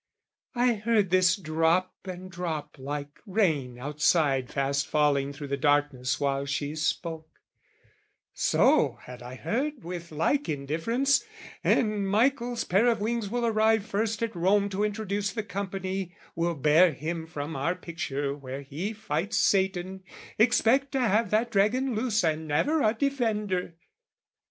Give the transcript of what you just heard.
I heard this drop and drop like rain outside Fast falling through the darkness while she spoke: So had I heard with like indifference, "And Michael's pair of wings will arrive first "At Rome to introduce the company, "Will bear him from our picture where he fights "Satan, expect to have that dragon loose "And never a defender!"